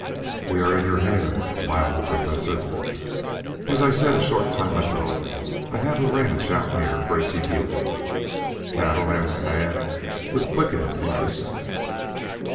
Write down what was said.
"We are in your hands," smiled the Professor. "As I said a short time ago, I have a ranch out near Gracy Butte." "Cattle?" asked Tad, with quickened interest.